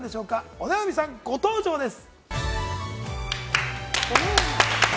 お悩みさん、ご登場です。